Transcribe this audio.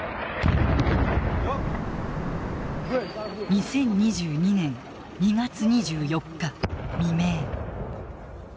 ２０２２年２月２４日未明。